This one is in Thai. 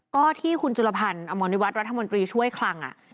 ก็ที่คุณจุลภัณฑ์อวรรษรัฐมนตรีช่วยคลัง